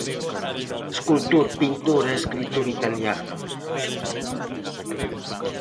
Escultor, pintor e escritor italiano.